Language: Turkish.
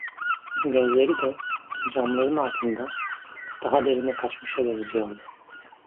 Gözleri de, camların altında, daha derine kaçmışa benziyordu.